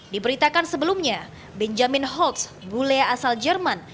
diberitakan sebelumnya benjamin holtz bule asal jerman